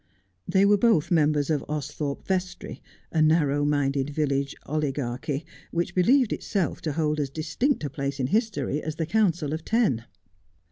They were both members of Austhorpe Vestry, a narrow minded village oligarchy, which believed itself to hold as distinct a place in history as the Council of Ten.